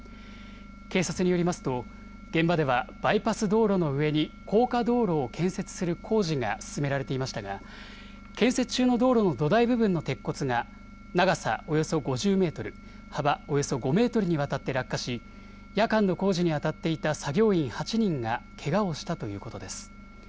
警察によりますと現場ではバイパス道路の上に高架道路を建設する工事が進められていましたが建設中の道路の土台部分の鉄骨が、長さおよそ５０メートル、幅およそ５メートルにわたって落下し夜間の工事にあたっていた作業員８人がけがをしたということです。